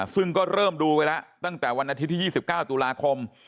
ซึ่งก็เริ่มดูไปแล้วตั้งแต่วันอาทิตย์ที่๒๙ตุลาคม